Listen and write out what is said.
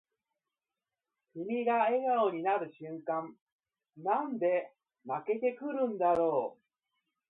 君が笑顔になる瞬間なんで泣けてくるんだろう